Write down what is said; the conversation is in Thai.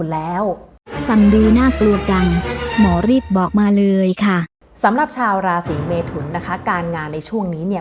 และชาวราศี